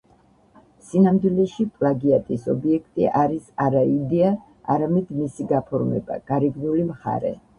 სინამდვილეში, პლაგიატის ობიექტი არის არა იდეა, არამედ მისი გაფორმება, გარეგნული მხარე.